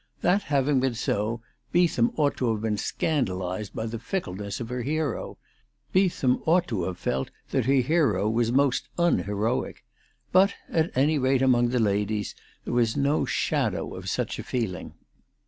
That having been so, Beetham ought to have been scandalised by the fickleness of her hero. Beetham ought to have felt that her hero was most unheroic. But, at any rate among the ladies, there was no shadow of such a feeling.